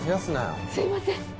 すいません。